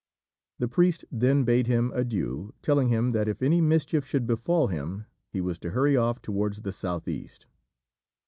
The priest then bade him adieu, telling him that if any mischance should befall him he was to hurry off towards the south east.